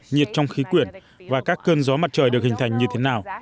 nhiệt trong khí quyển và các cơn gió mặt trời được hình thành như thế nào